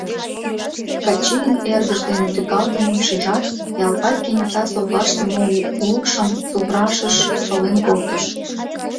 Качийын эрдыж дене тӱкалтымым шижат, Ялпай кенета совлаште мо улшым туврашыш шолен колтыш.